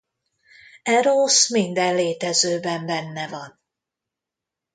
Erósz minden létezőben benne van.